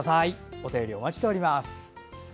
お便りお待ちしております。